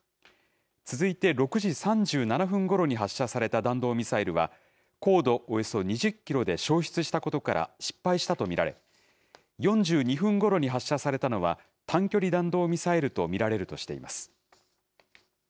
続いて６時３７分ごろに発射された弾道ミサイルは、高度およそ２０キロで消失したことから、失敗したと見られ、４２分ごろに発射されたのは、短距離弾道ミサイルと見られるとしています。